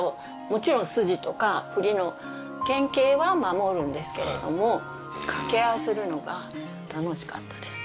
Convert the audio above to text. もちろん筋とか振りの原型は守るんですけれども掛け合いするのが楽しかったです